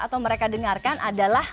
atau mereka dengarkan adalah